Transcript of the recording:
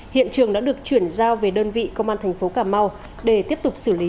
hiện trường đã được chuyển giao về đơn vị công an thành phố cà mau để tiếp tục xử lý